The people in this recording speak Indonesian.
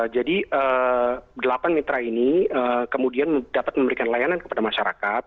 jadi delapan mitra ini kemudian dapat memberikan layanan kepada masyarakat